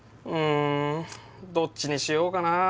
うんどっちにしようかな？